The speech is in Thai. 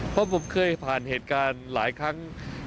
เพราะผมเคยผ่านเหตุการณ์หลายครั้ง